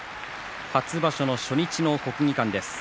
初場所の初日の国技館です。